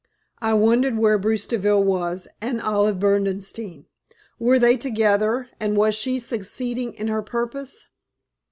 I wondered where Bruce Deville was, and Olive Berdenstein. Were they together and was she succeeding in her purpose?